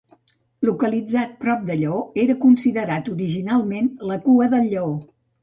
Localitzat prop de Lleó, era considerat originalment la cua del Lleó.